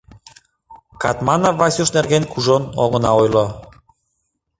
Катманов Васюш нерген кужун огына ойло.